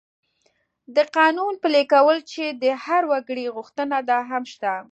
د قانون پلي کول چې د هر وګړي غوښتنه ده، هم شته.